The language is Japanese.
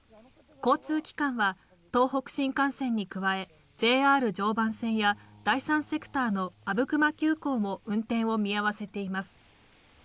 交通機関は、東北新幹線に加え、ＪＲ常磐線や第三セクターの阿武隈急行も運転を見合わせています。